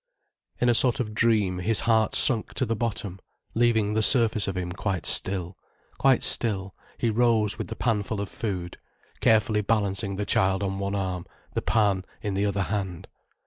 In a sort of dream, his heart sunk to the bottom, leaving the surface of him still, quite still, he rose with the panful of food, carefully balancing the child on one arm, the pan in the other hand.